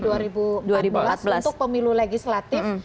untuk pemilu legislatif